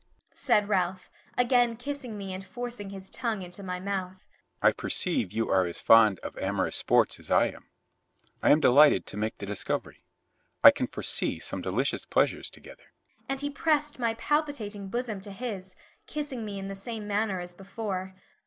"Ah! Kate," said Ralph, again kissing me and forcing his tongue into my mouth. "I perceive you are as fond of amorous sports as I am. I am delighted to make the discovery. I can foresee some delicious pleasures together," and he pressed my palpitating bosom to his, kissing me in the same manner as before.